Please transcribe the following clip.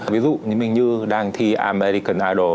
ví dụ như minh như đang thi american idol